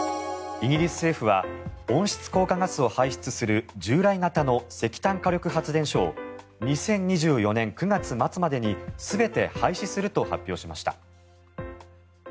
イギリス政府は温室効果ガスを排出する従来型の石炭火力発電所を２０２４年９月末までに全て廃止すると発表しました。